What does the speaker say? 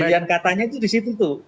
yang katanya itu di situ tuh